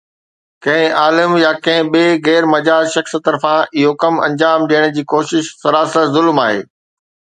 ڪنهن عالم يا ڪنهن ٻئي غير مجاز شخص طرفان اهو ڪم انجام ڏيڻ جي ڪوشش سراسر ظلم آهي.